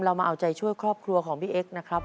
มาเอาใจช่วยครอบครัวของพี่เอ็กซ์นะครับ